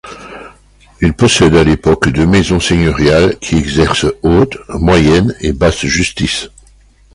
Il possède à l’époque deux maisons seigneuriales qui exercent haute, moyenne et basse justice.